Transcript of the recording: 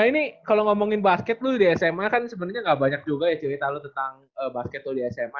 nah ini kalau ngomongin basket lu di sma kan sebenarnya gak banyak juga ya cerita lu tentang basket tuh di sma